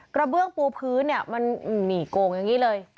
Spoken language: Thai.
กระเบื้องปูพื้นเนี่ยมันหนีโกงอย่างนี้เลย